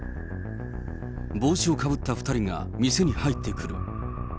帽子をかぶった２人が店に入ってくる。